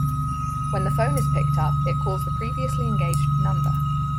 When the phone is picked up, it calls the previously engaged number.